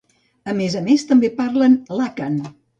A més a més, també parlen l'àkan.